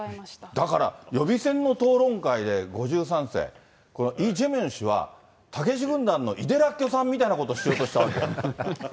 だから予備選の討論会で５３世、これ、イ・ジェミョン氏は、たけし軍団のいでらっきょさんみたいなことをしようとしたんです。